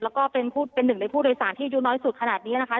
แล้วก็เป็นหนึ่งในผู้โดยสารที่อายุน้อยสุดขนาดนี้นะคะ